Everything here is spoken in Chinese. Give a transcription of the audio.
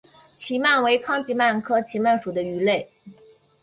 奇鳗为康吉鳗科奇鳗属的鱼类。